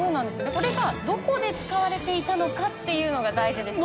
これがどこで使われていたのかっていうのが大事です。